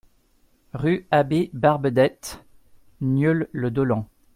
Rue Abbé Barbedette, Nieul-le-Dolent